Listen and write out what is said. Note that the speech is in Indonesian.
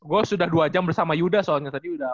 gue sudah dua jam bersama yuda soalnya tadi udah